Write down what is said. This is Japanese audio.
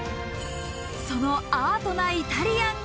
そのアートなイタリアンが。